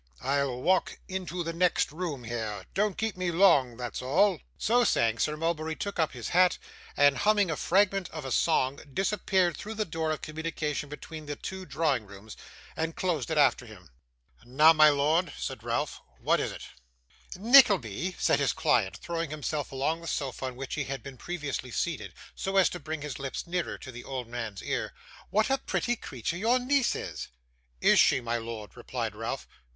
I'll walk into the next room here. Don't keep me long, that's all.' So saying, Sir Mulberry took up his hat, and humming a fragment of a song disappeared through the door of communication between the two drawing rooms, and closed it after him. 'Now, my lord,' said Ralph, 'what is it?' 'Nickleby,' said his client, throwing himself along the sofa on which he had been previously seated, so as to bring his lips nearer to the old man's ear, 'what a pretty creature your niece is!' 'Is she, my lord?' replied Ralph.